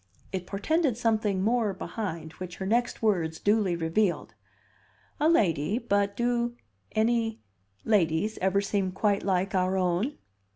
It portended something more behind, which her next words duly revealed. "A lady; but do any ladies ever seem quite like our own?